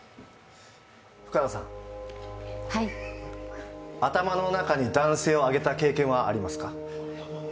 深田さん、頭の中に男性をあげた経験はありますか？